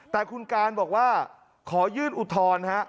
แต่คุณการบอกว่าขอยื่นอุทธรณ์ฮะ